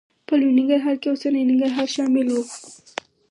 په لوی ننګرهار کې اوسنی ننګرهار شامل و.